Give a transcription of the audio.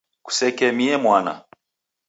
Kusekemie mwana.